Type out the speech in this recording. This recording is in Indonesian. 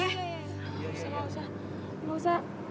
gak usah gak usah